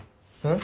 ん？